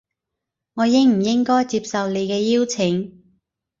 我應唔應該接受你嘅邀請